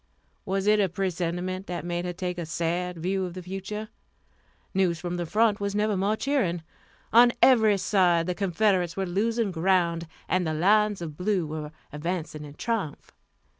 Was it a presentiment that made her take a sad view of the future? News from the front was never more cheering. On every side the Confederates were losing ground, and the lines of blue were advancing in triumph.